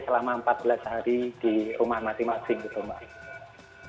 selama empat belas hari di rumah masing masing gitu mbak